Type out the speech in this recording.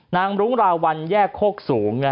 รุ้งราวัลแยกโคกสูง